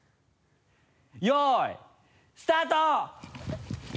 よいスタート！